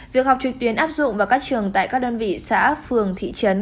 việc học trực tuyến áp dụng vào các trường tại các đơn vị xã phường thị trấn